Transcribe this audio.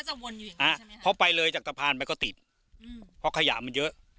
ก็จะวนอยู่อย่างนี้ใช่ไหมครับเพราะไปเลยจากตะพานไปก็ติดเพราะขยามมันเยอะ